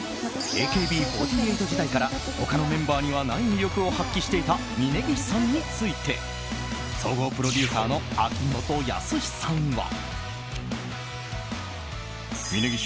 ＡＫＢ４８時代から他のメンバーにはない魅力を発揮していた峯岸さんについて総合プロデューサーの秋元康さんは。